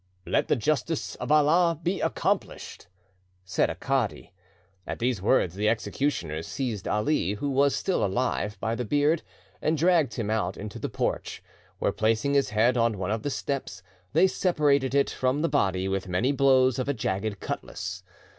"Let the justice of Allah be accomplished!" said a cadi. At these words the executioners seized Ali, who was still alive, by the beard, and dragged him out into the porch, where, placing his head on one of the steps, they separated it from the body with many blows of a jagged cutlass.